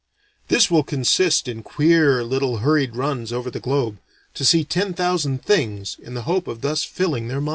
This will consist in queer little hurried runs over the globe, to see ten thousand things in the hope of thus filling their minds.